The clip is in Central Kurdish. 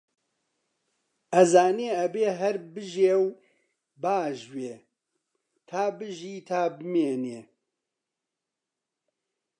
ئەزانێ ئەبێ هەر بژێ و باژوێ، تا بژی تا بمێنێ